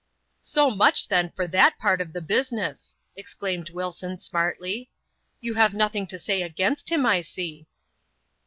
So much, then, for that part of the business," exclaimed Wilson, smartly; "you have nothing to say against him, I je."